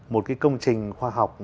một cái công trình khoa học